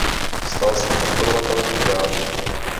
Stal se podporovatelem Pirátů.